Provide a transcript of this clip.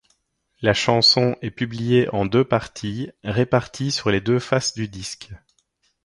La chanson est publiée en deux parties, réparties sur les deux faces du disque.